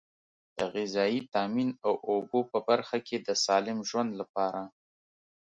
د غذایي تامین او اوبو په برخه کې د سالم ژوند لپاره.